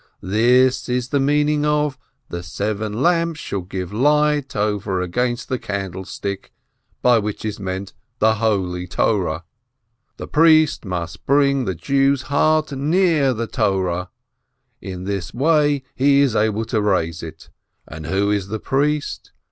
This is the meaning of 'the seven lamps shall give light over against the candlestick,' by which is meant the holy Torah. The priest must bring the Jew's heart near to the Torah ; in this way he is able to raise it. And who is the priest?